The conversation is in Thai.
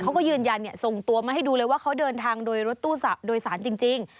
เขาก็ยืนยันส่งตัวมาให้ดูเลยว่าเขาเดินทางโดยรถตู้โดยสารจริง